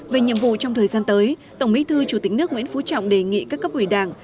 về nhiệm vụ trong thời gian tới tổng bí thư chủ tịch nước nguyễn phú trọng đề nghị các cấp ủy đảng